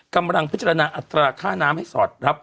กำลังพิจารณาอัตราค่าน้ำให้สอดรับ